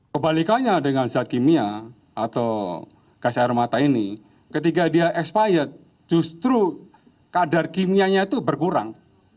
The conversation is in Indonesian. kebalikannya dengan zat kimia atau gas air mata ini ketika dia expiet justru kadar kimianya itu berkurang